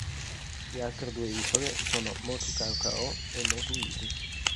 Le altre due isole sono Motu Kao Kao e Motu Iti.